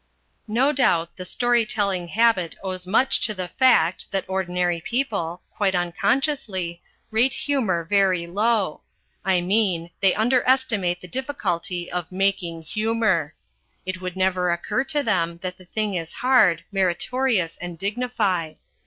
No doubt the story telling habit owes much to the fact that ordinary people, quite unconsciously, rate humour very low: I mean, they underestimate the difficulty of "making humour." It would never occur to them that the thing is hard, meritorious and dignified.